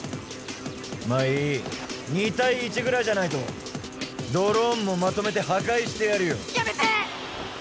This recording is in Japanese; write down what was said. まあいい２対１ぐらいじゃないとドローンもまとめて破壊してやるよやめて！